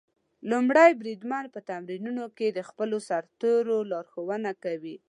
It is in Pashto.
لومړی بریدمن په تمرینونو کې د خپلو سرتېرو لارښوونه کوي.